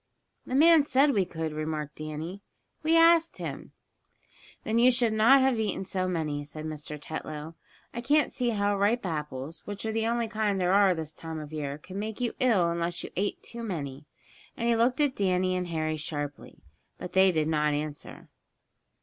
"The man said we could," remarked Danny. "We asked him." "Then you should not have eaten so many," said Mr. Tetlow. "I can't see how ripe apples, which are the only kind there are this time of year could make you ill unless you ate too many," and he looked at Danny and Harry sharply. But they did not answer.